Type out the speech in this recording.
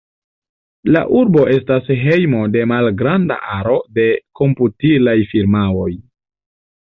La urbo estas hejmo de malgranda aro de komputilaj firmaoj.